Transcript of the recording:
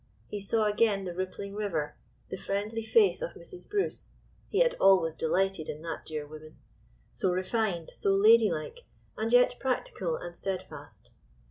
He saw again the rippling river, the friendly face of Mrs. Bruce—he had always delighted in that dear woman—so refined, so ladylike, and yet practical and steadfast.